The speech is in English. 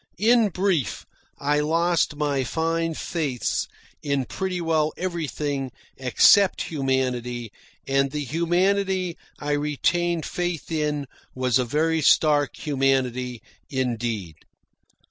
In brief, I lost my fine faiths in pretty well everything except humanity, and the humanity I retained faith in was a very stark humanity indeed.